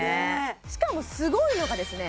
しかもすごいのがですね